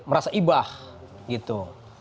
merasa ibah gitu